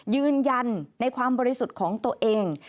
ยืนยันในความบริสุทธิ์ของตัวเอง